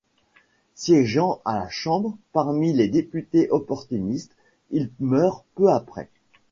Siégeant à la Chambre parmi les députés opportunistes, il meurt peu après.